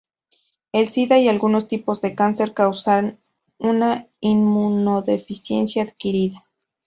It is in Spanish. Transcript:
El sida y algunos tipos de cáncer causan una inmunodeficiencia adquirida.